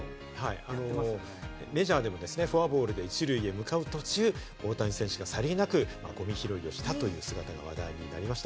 メジャーでもフォアボールで１塁へ向かう途中、大谷選手がさりげなくゴミ拾いをしたということも話題になりました。